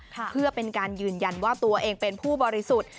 เพื่อเป็นการยืนยันว่าตัวเองเป็นผู้บริสุทธิ์